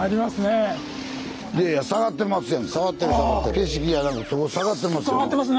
景色やなくそこ下がってますよ。